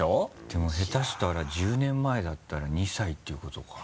でもヘタしたら１０年前だったら２歳っていうことか。